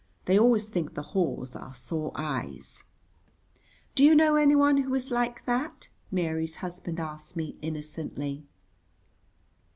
(They always think the haws are sore eyes.) "Do you know anyone who is like that?" Mary's husband asked me innocently.